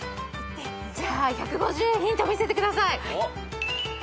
１５０ヒント見せてください。